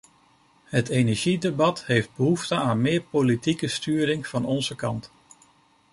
Het energiedebat heeft behoefte aan meer politieke sturing van onze kant.